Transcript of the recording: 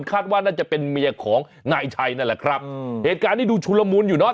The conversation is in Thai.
คาดว่าน่าจะเป็นเมียของนายชัยนั่นแหละครับเหตุการณ์นี้ดูชุนละมุนอยู่เนอ